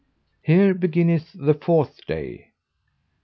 Here beginneth the fourth day.